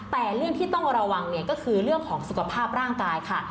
แต่เรื่องที่ต้องระวังเนี่ยก็คือเรื่องของสุขภาพร่างกายค่ะ